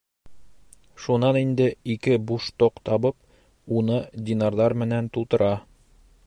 Шунан инде ике буш тоҡ табып, уны динарҙар менән тултыра.